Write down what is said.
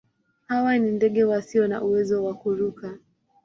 Hawa ni ndege wasio na uwezo wa kuruka.